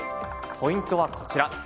ポイントはこちら。